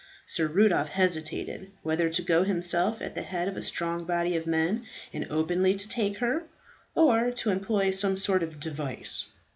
Sir Rudolph hesitated whether to go himself at the head of a strong body of men and openly to take her, or to employ some sort of device.